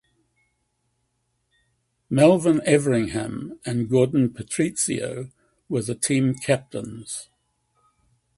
Melvin Everingham and Gordon Patrizio were the team captains.